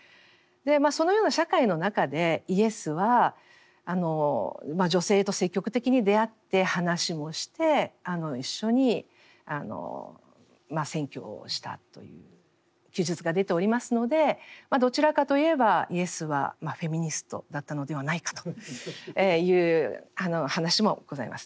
そのような社会の中でイエスは女性と積極的に出会って話もして一緒に宣教したという記述が出ておりますのでどちらかといえばイエスはフェミニストだったのではないかという話もございます。